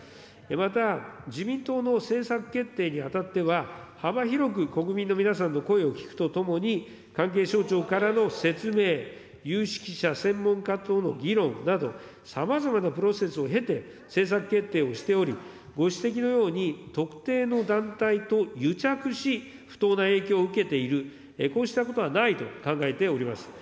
また、自民党の政策決定に当たっては、幅広く国民の皆さんの声を聞くとともに、関係省庁からの説明、有識者、専門家等の議論など、さまざまなプロセスを経て、政策決定をしており、ご指摘のように、特定の団体と癒着し、不当な影響を受けている、こうしたことはないと考えております。